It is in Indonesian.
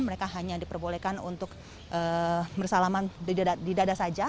mereka hanya diperbolehkan untuk bersalaman di dada saja